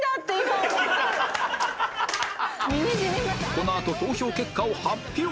このあと投票結果を発表！